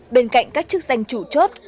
bên cạnh các chức danh chủ chốt